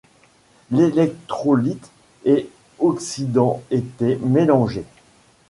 L'électrolyte et oxydant étaient mélangés.